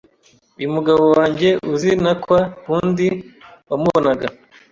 uyu mugabo wanjye uzi na kwa kundi wamubonaga,